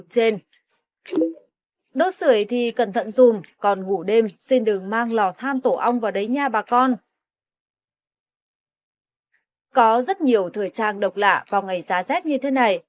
có rất nhiều thời trang độc lạ vào ngày giá rét như thế này